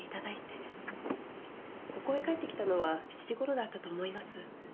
ここへ帰ってきたのは７時頃だったと思います。